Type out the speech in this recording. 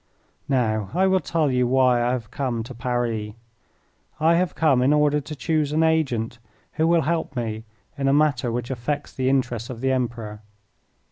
Now I will tell you why I have come to Paris. I have come in order to choose an agent who will help me in a matter which affects the interests of the Emperor.